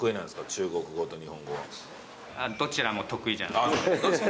「どちらも得意じゃない」